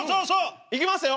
いきますよ。